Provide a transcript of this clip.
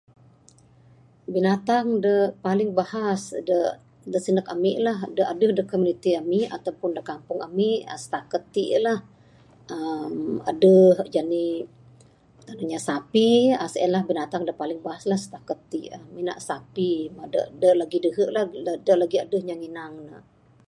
Binatang de paling bahas de sindek Ami lah adeh da komuniti ami ato pun kampung ami. Sitaket ti lah uhh adeh jani uhh inya sapi sien lah binatang da paling bahas sitaket ti mina sapi, da lagi dehe lah, da lagi adeh inya nginang ne